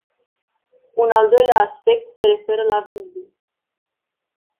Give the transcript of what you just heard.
Un al doilea aspect se referă la vize.